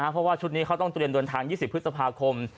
เพราะว่าชุดนี้เขาต้องเตรียมเดินทาง๒๐พฤษภาคม